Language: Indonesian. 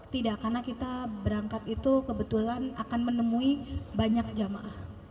tidak karena kita berangkat itu kebetulan akan menemui banyak jamaah